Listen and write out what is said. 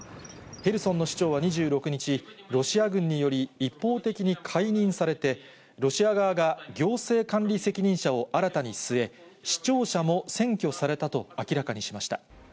ヘルソンの市長は２６日、ロシア軍により、一方的に解任されて、ロシア側が行政管理責任者を新たに据え、市庁舎も占拠されたと明らかにしました。